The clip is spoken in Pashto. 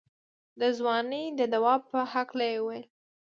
د ځوانۍ د دوا په هکله يې وويل.